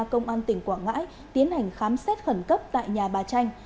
công an tỉnh quảng ngãi tiến hành khám xét khẩn cấp tại nhà bà tranh